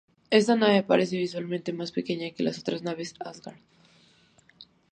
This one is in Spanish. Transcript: Esta nave parece visualmente más pequeña que las otras naves Asgard.